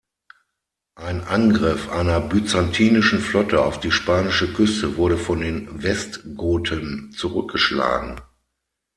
Ein Angriff einer byzantinischen Flotte auf die spanische Küste wurde von den Westgoten zurückgeschlagen.